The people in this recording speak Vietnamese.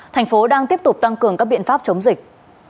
thành phố đang tiếp tục tăng cường các biện pháp chống dịch